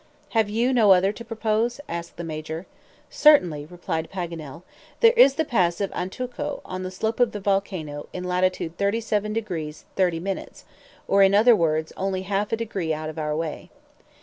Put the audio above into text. "Have you no other to propose?" asked the Major. "Certainly," replied Paganel. "There is the pass of Antuco, on the slope of the volcano, in latitude, 37 degrees 30' , or, in other words, only half a degree out of our way."